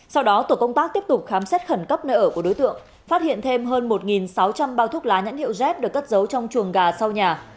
sau đó tổ công tác tiếp tục khám xét khẩn cấp nơi ở của đối tượng phát hiện thêm hơn một sáu trăm linh bao thuốc lá nhãn hiệu z được cất giấu trong chuồng gà sau nhà